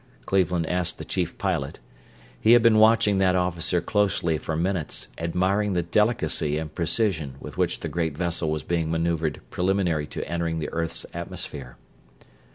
Cleveland asked the chief pilot. He had been watching that officer closely for minutes, admiring the delicacy and precision with which the great vessel was being maneuvered preliminary to entering the earth's atmosphere.